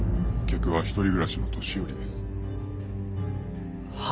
客は一人暮らしの年寄りです」は？